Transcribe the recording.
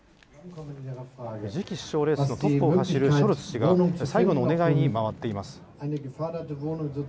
次期首相レースのトップを走るショルツ氏が最後のお願いに回っています。